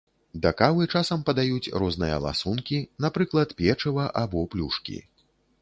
Да кавы часам падаюць розныя ласункі, напрыклад, печыва або плюшкі.